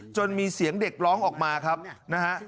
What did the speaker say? มีเสียงเด็กร้องออกมาครับนะฮะ